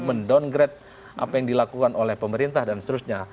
mendowngrade apa yang dilakukan oleh pemerintah dan seterusnya